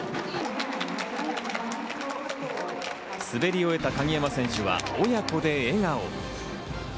滑り終えた鍵山選手は親子で笑顔。